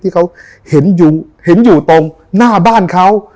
ที่เขาเห็นอยู่ตรงหน้าบ้านเขา